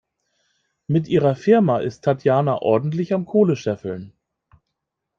Mit ihrer Firma ist Tatjana ordentlich am Kohle scheffeln.